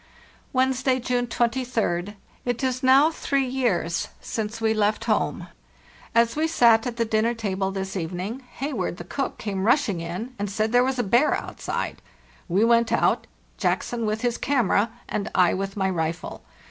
"Wednesday, June 23d. It is now three years since we left home. As we sat at the dinner table this even A CHAT AFTER DINNER ing, Hayward, the cook, came rushing in and said there was a bear outside. We went out, Jackson with his camera and I with my rifle.